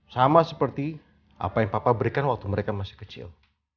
sama seperti apa yang papa berikan waktu mereka masih kecil